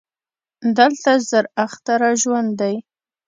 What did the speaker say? دلته زر اختره ژوند دی